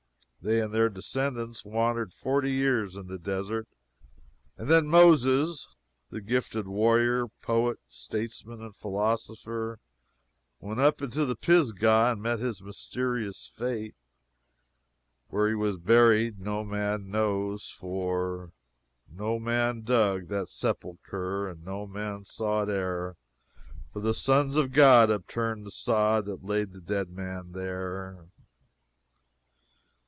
They and their descendants wandered forty years in the desert, and then Moses, the gifted warrior, poet, statesman and philosopher, went up into Pisgah and met his mysterious fate. Where he was buried no man knows for "no man dug that sepulchre, And no man saw it e'er For the Sons of God upturned the sod And laid the dead man there!"